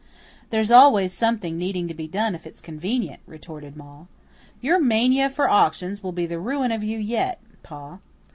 "There's always something needing to be done if it's convenient," retorted Ma. "Your mania for auctions will be the ruin of you yet, Pa.